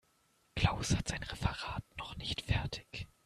Klaus hat sein Referat noch nicht fertig.